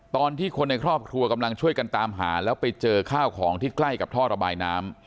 ตอนที่คนในครอบครัวกำลังช่วยกันตามหาแล้วไปเจอข้าวของที่ใกล้กับท่อระบายน้ำ